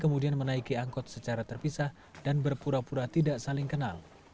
kemudian menaiki angkot secara terpisah dan berpura pura tidak saling kenal